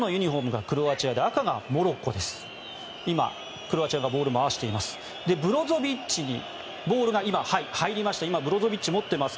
今、クロアチアがボールを回しています。